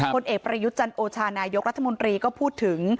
ผลเอกประยุทธ์จันโอชานายกรัฐมนตรีก็พูดถึง